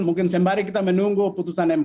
mungkin sembari kita menunggu putusan mk